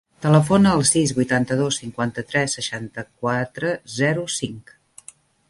Telefona al sis, vuitanta-dos, cinquanta-tres, seixanta-quatre, zero, cinc.